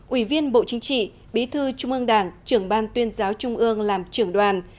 ủy viên bộ chính trị bí thư trung ương đảng trưởng ban tuyên giáo trung ương làm trưởng đoàn